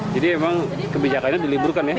jadi memang kebijakan ini diliburkan ya